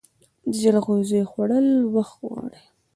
د جلغوزیو خوړل وخت غواړي.